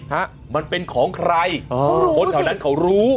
ฮะมันเป็นของใครเออคนแถวนั้นเขารู้